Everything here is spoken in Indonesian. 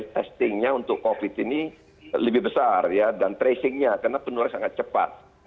testingnya untuk covid ini lebih besar dan tracingnya karena penularannya sangat cepat